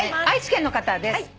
愛知県の方です。